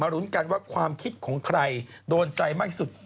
รุ้นกันว่าความคิดของใครโดนใจมากสุด